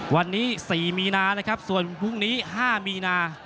วันนี้๔มีนานะครับส่วนพรุ่งนี้๕มีนา